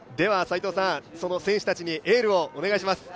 その選手たちにエールをお願いします。